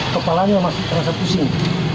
kepalanya masih terasa pusing